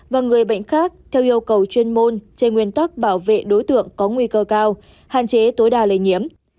và người bệnh khác theo yêu cầu chuyên môn trên nguyên tắc bảo vệ đối tượng có nguy cơ cao hạn chế tối đa lây nhiễm